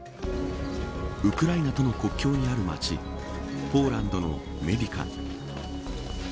ウクライナとの国境にある町ポーランドのメディカ。